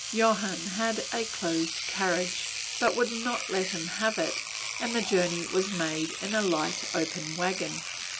Johann had a closed carriage, but would not let him have it, and the journey was made in a light open wagon.